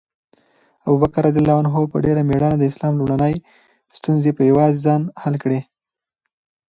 ابوبکر رض په ډېره مېړانه د اسلام لومړنۍ ستونزې په یوازې ځان حل کړې.